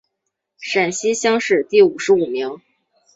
陕西乡试第五十五名。